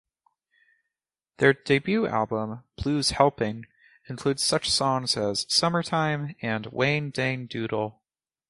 Their debut album, "Blues Helping", included such songs as "Summertime" and "Wang Dang Doodle".